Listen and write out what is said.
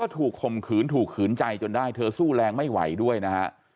ข่มขืนถูกขืนใจจนได้เธอสู้แรงไม่ไหวด้วยนะฮะ